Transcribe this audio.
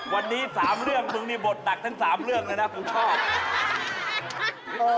วันนี้๓เรื่องมึงมีบทหนักทั้ง๓เรื่องเลยนะมึงชอบ